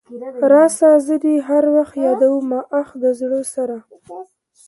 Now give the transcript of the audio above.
راسه زه دي هر وخت يادومه اخ د زړه سره .